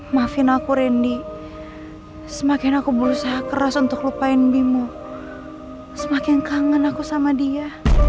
maafin aku randy semakin aku berusaha keras untuk lupain bimo semakin kangen aku sama dia